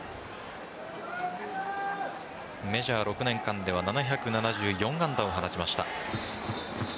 メジャー６年間では７７４安打を放ちました。